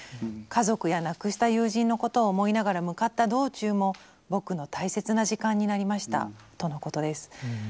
「家族や亡くした友人のことを思いながら向かった道中も僕の大切な時間になりました」とのことです。